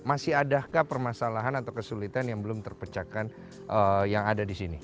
masih adakah permasalahan atau kesulitan yang belum terpecahkan yang ada di sini